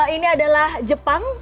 ini adalah jepang